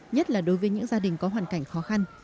nhất là đối với những gia đình có hoàn cảnh khó khăn